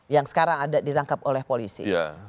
yang sekarang ada ditangkap oleh polisi